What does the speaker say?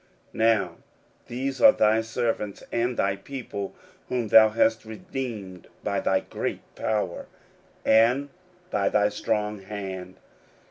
16:001:010 Now these are thy servants and thy people, whom thou hast redeemed by thy great power, and by thy strong hand.